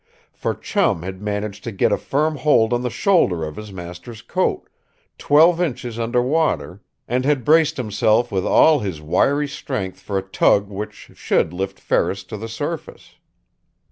For Chum had managed to get a firm hold on the shoulder of his master's coat twelve inches under water and had braced himself with all his wiry strength for a tug which should lift Ferris to the surface.